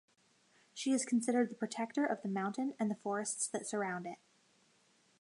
She is considered the protector of the mountain and the forests that surround it.